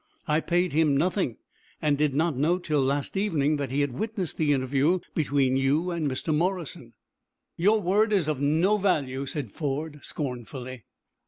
"I paid him nothing, and did not know till last evening that he had witnessed the interview between you and Mr. Morrison." "Your word is of no value," said Ford, scornfully.